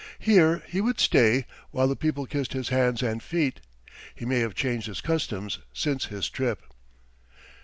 Here he would stay while the people kissed his hands and feet. He may have changed his customs since his trip.